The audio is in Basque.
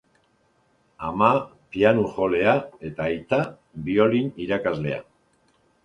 Ama piano-jolea eta aita biolin irakaslea.